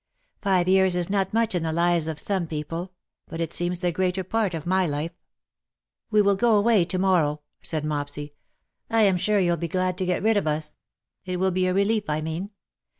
Five years is not much in the lives of some people ; but it seems the greater part of my life.^^ *' We will go away to morrow/^ said Mopsy. " I am sure you will be glad to get rid of us : it will be a relief, I mean.